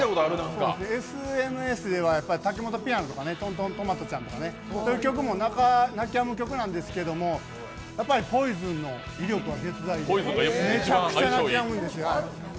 ＳＮＳではタケモトピアノとか「とんとんトマトちゃん」とか、そういう曲も泣きやむ曲なんですけれども、「ＰＯＩＳＯＮ」の威力は絶大でめちゃくちゃ泣きやむんですよ。